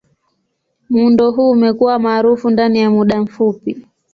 Muundo huu umekuwa maarufu ndani ya muda mfupi.